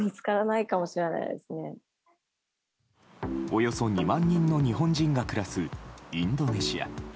およそ２万人の日本人が暮らすインドネシア。